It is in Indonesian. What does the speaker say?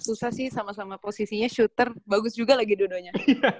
susah sih sama sama posisinya shooter bagus juga lagi dua duanya